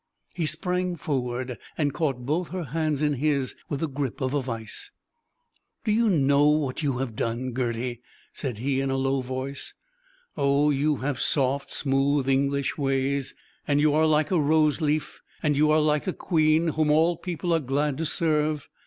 He sprang forward, and caught both her hands in his with the grip of a vise. "Do you know what you have done, Gerty?" said he, in a low voice. "Oh, you have soft, smooth, English ways; and you are like a rose leaf; and you are like a queen, whom all people are glad to serve.